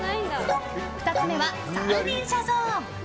２つ目は三輪車ゾーン。